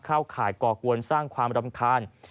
เข้าข่ายก่อกวนสร้างความรำคาญ